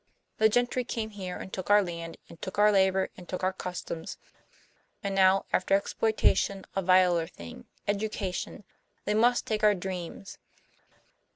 "The gentry came here and took our land and took our labor and took our customs. And now, after exploitation, a viler thing, education! They must take our dreams!"